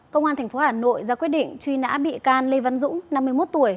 công an tp hà nội ra quyết định truy nã bị can lê văn dũng năm mươi một tuổi